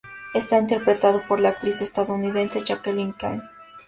Está interpretado por la actriz estadounidense Jacqueline Kim.